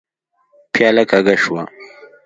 پياله کږه شوه.